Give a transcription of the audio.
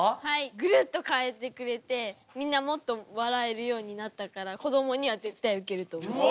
グルッと変えてくれてみんなもっと笑えるようになったからこどもには絶対ウケると思います。